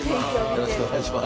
よろしくお願いします。